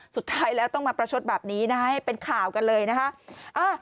สุดท้ายแล้วต้องมาประชดแบบนี้นะให้เป็นข่าวกันเลยนะคะ